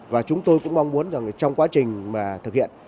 và chúng tôi cũng mong muốn trong quá trình thực hiện